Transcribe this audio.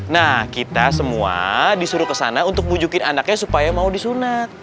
nah kita semua disuruh kesana untuk bujukin anaknya supaya mau disunat